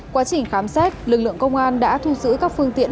quá trình khám xét lực lượng công an đã thu giữ các phương tiện